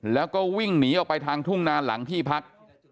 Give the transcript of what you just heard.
แล้วก็วิ่งหนีออกไปทางทุ่งนานหลังที่พัก